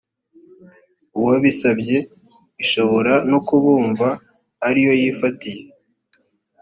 uwabisabye ishobora no kubumva ari yo yifatiye